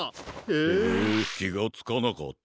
へえきがつかなかった。